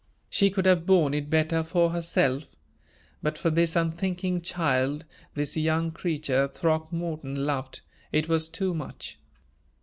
She could have borne it better for herself; but for this unthinking child this young creature Throckmorton loved it was too much.